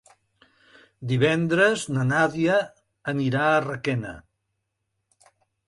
Divendres na Nàdia anirà a Requena.